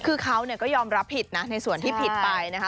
คือเขาก็ยอมรับผิดนะในส่วนที่ผิดไปนะคะ